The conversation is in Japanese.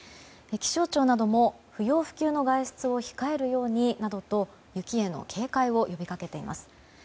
気象庁なども、不要不急の外出を控えるようになどと雪への警戒を呼びかけています。